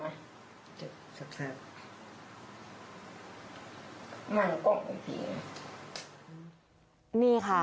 มันกล่องอีกที